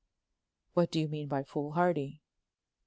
"What do you mean by foolhardy?"